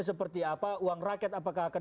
seperti apa uang rakyat apakah akan